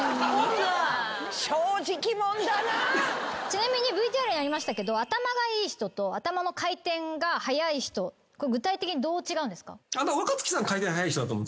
ちなみにＶＴＲにありましたけど頭がいい人と頭の回転が速い人具体的にどう違うんですか？